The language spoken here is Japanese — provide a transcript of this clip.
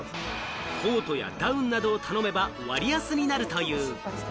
コートやダウンなどを頼めば割安になるという。